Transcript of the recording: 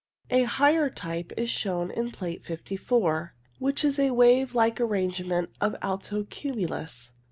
A higher type is shown in Plate 54, which is a wave like arrangement of alto cumulus.